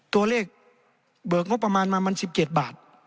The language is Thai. ตัวเลขเบิกงบประมาณมามัน๑๗บาท